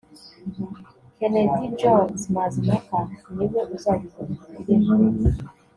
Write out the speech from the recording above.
Keneddy Jones Mazimpaka ni we uzayobora iyi filime